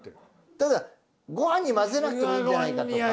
ただご飯に混ぜなくてもいいんじゃないかとか。